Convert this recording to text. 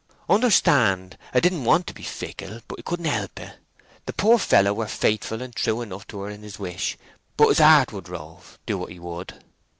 Understand? 'a didn't want to be fickle, but he couldn't help it. The pore feller were faithful and true enough to her in his wish, but his heart would rove, do what he would.